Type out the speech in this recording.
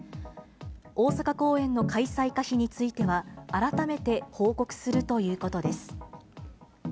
大阪公演の開催可否については、改めて報告するということです。